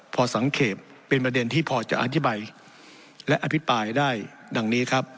พอสังเกตเป็นประเด็นที่พอจะอธิบายและอภิปรายได้ดังนี้ครับ